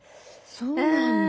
そうなんだ。